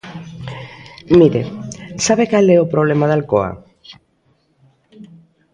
Mire, ¿sabe cal é o problema de Alcoa?